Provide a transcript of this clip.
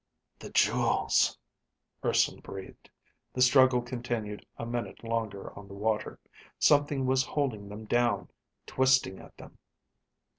"The jewels," Urson breathed. The struggle continued a minute longer on the water. Something was holding them down, twisting at them.